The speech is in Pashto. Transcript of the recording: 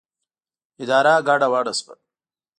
اداره ګډه وډه شوه.